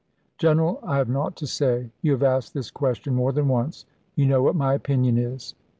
"General, I have nought to say. You have asked this question more than once. You know what my opinion is."